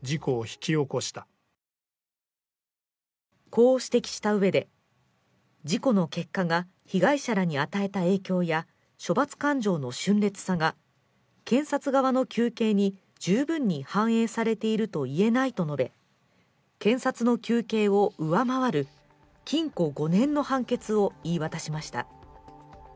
こう指摘したうえで、事故の結果が被害者らに与えた影響や処罰感情の峻烈さが検察側の求刑に十分に反映されていると言えないと述べ、検察の求刑を上回る禁錮５年の判決を言い渡しました。